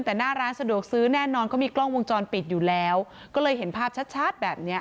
แต่หน้าร้านสะดวกซื้อแน่นอนเขามีกล้องวงจรปิดอยู่แล้วก็เลยเห็นภาพชัดชัดแบบเนี้ย